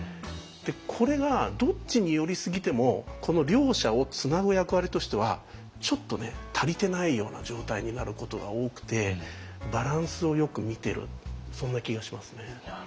これがどっちに寄りすぎてもこの両者をつなぐ役割としてはちょっとね足りてないような状態になることが多くてバランスをよく見てるそんな気がしますね。